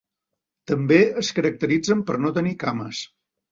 També es caracteritzen per no tenir cames.